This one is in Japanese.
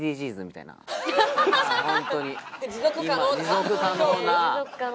持続可能な？